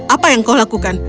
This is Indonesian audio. apa yang kau lakukan